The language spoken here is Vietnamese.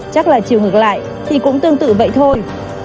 chắc là chiều ngược lại thì cũng tương tự vậy thôi